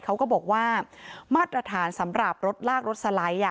เขาก็บอกว่ามาตรฐานสำหรับรถลากรถสไลด์